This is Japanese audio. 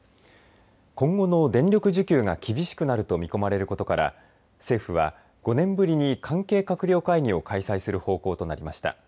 今後の電力需給が厳しくなると見込まれることから政府は、５年ぶりに関係閣僚会議を開催する方向となりました。